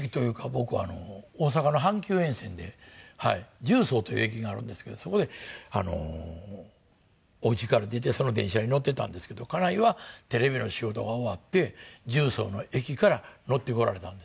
僕はあの大阪の阪急沿線で十三という駅があるんですけどそこでおうちから出てその電車に乗ってたんですけど家内はテレビの仕事が終わって十三の駅から乗ってこられたんです。